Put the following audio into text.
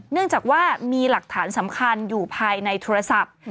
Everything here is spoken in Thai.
เนื่องจากว่ามีหลักฐานสำคัญอยู่ภายในโทรศัพท์